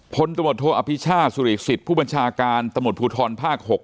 พลตมธอภิชาสุริสิทธิ์ผู้บัญชาการตมธภูทรภาคหก